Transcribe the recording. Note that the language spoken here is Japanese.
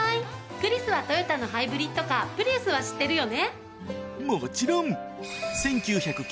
クリスはトヨタのハイブリッドカープリウスは知ってるよね！